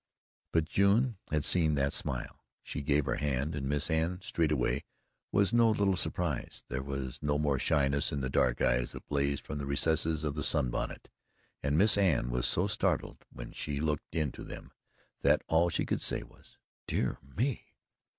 But June had seen that smile. She gave her hand, and Miss Anne straightway was no little surprised; there was no more shyness in the dark eyes that blazed from the recesses of the sun bonnet, and Miss Anne was so startled when she looked into them that all she could say was: "Dear me!"